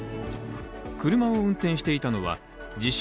車を運転していたのは自称